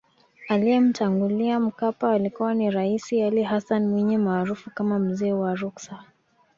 Aliyemtangulia Mkapa alikuwa ni Raisi Ali Hassan Mwinyi maarufu kama mzee wa ruksa